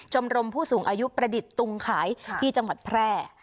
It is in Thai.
๐๘๔๖๑๐๘๑๔๐จมรมผู้สูงอายุประดิษฐ์ตุงขายที่จังหวัดแพร่